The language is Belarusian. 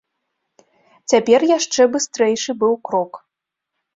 Цяпер яшчэ быстрэйшы быў крок.